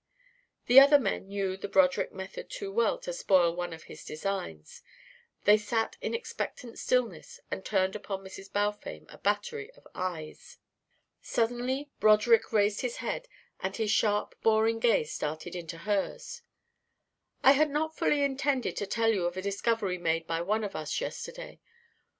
The other men knew the Broderick method too well to spoil one of his designs; they sat in expectant stillness and turned upon Mrs. Balfame a battery of eyes. Suddenly Broderick raised his head and his sharp boring gaze darted into hers. "I had not fully intended to tell you of a discovery made by one of us yesterday.